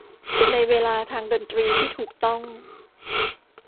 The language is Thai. ในเวลาทางดนตรีที่ถูกต้อง